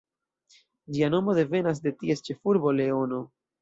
Ĝia nomo devenas de ties ĉefurbo Leono.